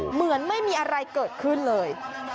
เหมือนไม่มีอะไรเกิดขึ้นเลย